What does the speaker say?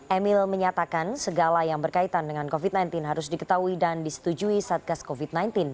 emil menyatakan segala yang berkaitan dengan covid sembilan belas harus diketahui dan disetujui satgas covid sembilan belas